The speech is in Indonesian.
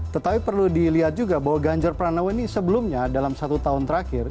tetapi perlu dilihat juga bahwa ganjar pranowo ini sebelumnya dalam satu tahun terakhir